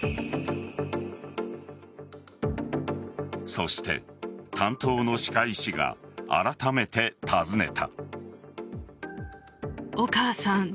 そして、担当の歯科医師があらためて尋ねた。